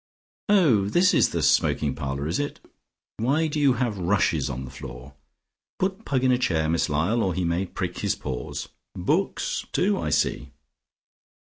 Oh, this is the smoking parlour, is it? Why do you have rushes on the floor? Put Pug in a chair, Miss Lyall, or he may prick his paws. Books, too, I see.